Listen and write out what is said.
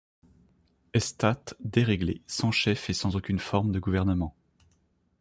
Estat déréglé, sans chef et sans aucune forme de gouvernement.